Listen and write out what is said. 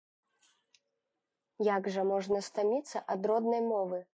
Як жа можна стаміцца ад роднай мовы?